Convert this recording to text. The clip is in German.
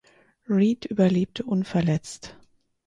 Reed überlebte unverletzt.